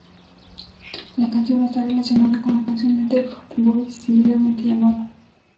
La canción no está relacionada con la canción de The Fat Boys similarmente llamada.